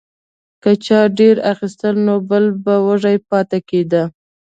که چا ډیر اخیستل نو بل به وږی پاتې کیده.